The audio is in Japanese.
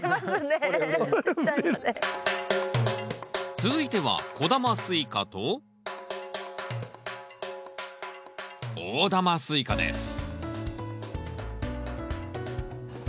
続いては小玉スイカと大玉スイカですわ。